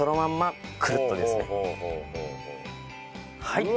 はい！